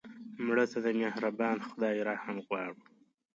مړه ته د مهربان خدای رحم غواړو